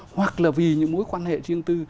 hoặc là vì những mối quan hệ riêng tư